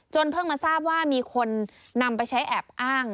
เพิ่งมาทราบว่ามีคนนำไปใช้แอบอ้าง